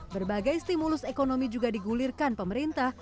berbagai stimulus ekonomi juga digulirkan pemerintah